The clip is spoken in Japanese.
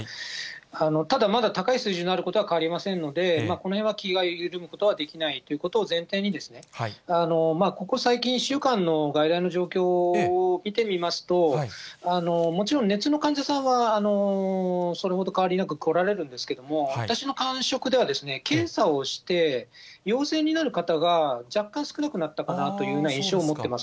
ただ、まだ高い水準であることは変わりませんので、このへんは気が緩めることはできないということを前提にですね、ここ最近１週間の外来の状況を見てみますと、もちろん、熱の患者さんはそれほど変わりなく来られるんですけれども、私の感触では、検査をして陽性になる方が若干少なくなったかなという印象を持っています。